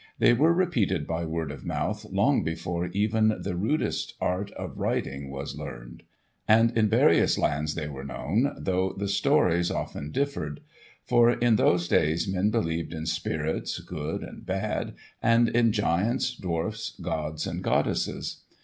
They were repeated by word of mouth long before even the rudest art of writing was learned; and in various lands they were known, though the stories often differed. For in those days men believed in spirits, good and bad, and in giants, dwarfs, gods and goddesses.